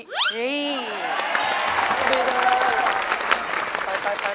ดูกันเลย